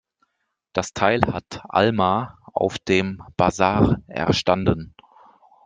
Das Teil hat Alma auf dem Basar erstanden.